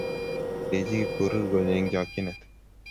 lechi Kipkorir konyo eng chakchinet